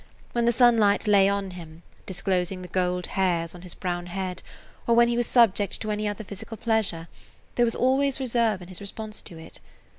When the sunlight lay on him, disclosing the gold hairs on his brown head, or when he was subject to any other physical pleasure, there was always reserve in his response to it.